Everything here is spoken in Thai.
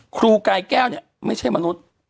ครูกายแก้วเนี่ยไม่ใช่มนุษย์